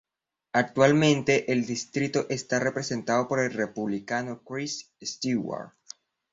Actualmente el distrito está representado por el Republicano Chris Stewart.